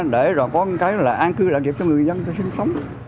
để rồi có cái là an cư lạc nghiệp cho người dân sinh sống